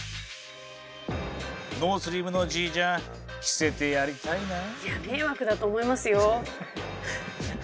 ノースリーブのジージャン着せてやりたいなあ。